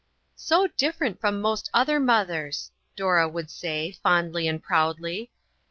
" So different from most other mothers," Dora would say, fondly and proudly.